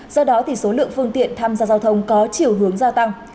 do đó thì số lượng phương tiện tham gia giao thông có chiều hướng gia tăng